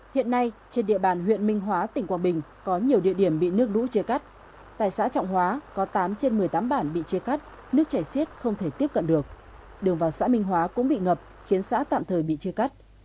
hiện nay trên địa bàn huyện minh hóa tỉnh quảng bình có nhiều địa điểm bị nước lũ chia cắt tại xã trọng hóa có tám trên một mươi tám bản bị chia cắt nước chảy xiết không thể tiếp cận được đường vào xã minh hóa cũng bị ngập khiến xã tạm thời bị chia cắt